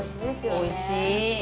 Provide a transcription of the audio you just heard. おいしい。